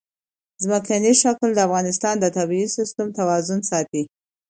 ځمکنی شکل د افغانستان د طبعي سیسټم توازن ساتي.